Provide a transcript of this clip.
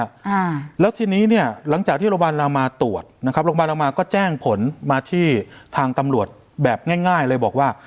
อ่าแล้วทีนี้เนี่ยหลังจากที่โรงพยาบาลเรามาตรวจนะครับโรงพยาบาลเรามาก็แจ้งผลมาที่ทางตำรวจแบบง่ายง่ายเลยบอกว่า